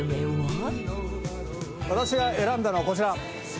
私が選んだのはこちら。